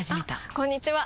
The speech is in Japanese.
あこんにちは！